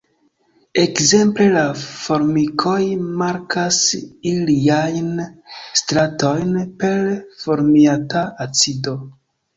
Ekzemple la formikoj markas iliajn „stratojn“ per formiata acido.